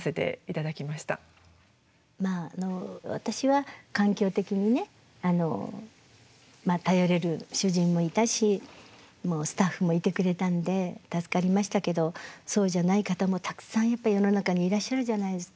まああの私は環境的にね頼れる主人もいたしもうスタッフもいてくれたので助かりましたけどそうじゃない方もたくさんやっぱ世の中にいらっしゃるじゃないですか。